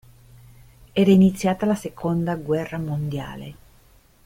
Era iniziata la Seconda guerra mondiale.